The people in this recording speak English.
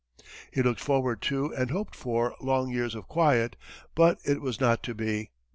He looked forward to and hoped for long years of quiet, but it was not to be.